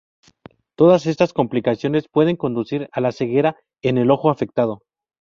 Todas estas complicaciones pueden conducir a la ceguera en el ojo afectado.